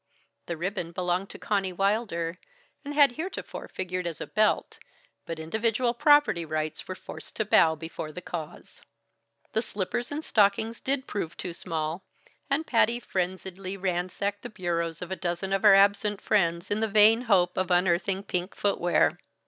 The ribbon belonged to Conny Wilder, and had heretofore figured as a belt; but individual property rights were forced to bow before the cause. The slippers and stockings did prove too small, and Patty frenziedly ransacked the bureaus of a dozen of her absent friends in the vain hope of unearthing pink footwear.